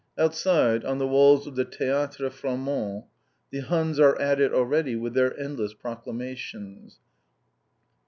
Outside, on the walls of the Theatre Flamand, the Huns are at it already with their endless proclamations.